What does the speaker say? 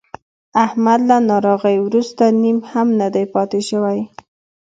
احمد له ناروغۍ ورسته نیم هم نه دی پاتې شوی.